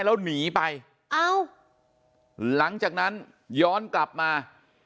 แล้วหนีไปเอ้าหลังจากนั้นย้อนกลับมา